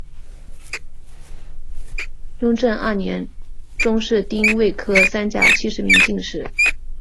雍正二年中式丁未科三甲七十名进士。